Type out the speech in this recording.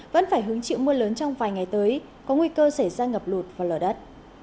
vẫn phải hứng chịu mưa lớn trong vài ngày tới có nguy cơ xảy ra ngập lụt và lở đất